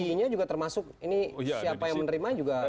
fee nya juga termasuk ini siapa yang menerima juga